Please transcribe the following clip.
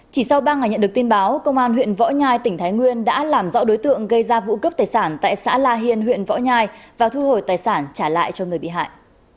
chỉ sau ba ngày nhận được tin báo công an huyện võ nhai tỉnh thái nguyên đã làm rõ đối tượng gây ra vụ cướp tài sản tại xã la hiên huyện võ nhai và thu hồi tài sản trả lại cho người bị hại